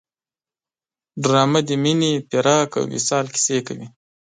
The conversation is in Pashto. ډرامه د مینې، فراق او وصال کیسې کوي